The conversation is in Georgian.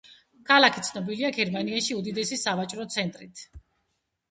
ქალაქი ცნობილია გერმანიაში უდიდესი სავაჭრო ცენტრით.